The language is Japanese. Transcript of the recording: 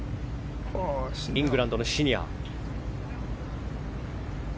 イングランドのシニア。